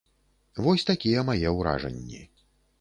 Вось такія мае ўражанні.